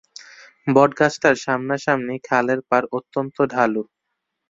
বটগাছটার সামনাসামনি খালের পাড় অত্যন্ত ঢালু।